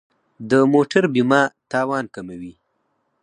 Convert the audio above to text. د موټر بیمه تاوان کموي.